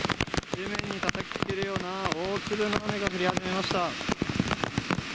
地面にたたきつけるような大粒の雨が降り始めました。